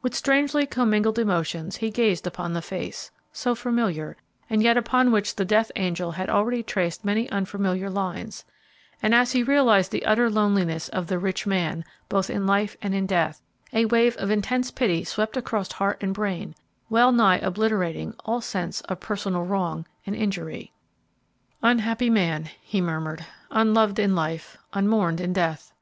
With strangely commingled emotions he gazed upon the face, so familiar, and yet upon which the death angel had already traced many unfamiliar lines, and as he realized the utter loneliness of the rich man, both in life and in death, a wave of intense pity swept across heart and brain, well nigh obliterating all sense of personal wrong and injury. "Unhappy man!" he murmured. "Unloved in life, unmourned in death!